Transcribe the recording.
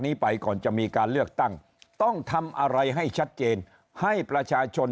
นี้ไปก่อนจะมีการเลือกตั้งต้องทำอะไรให้ชัดเจนให้ประชาชน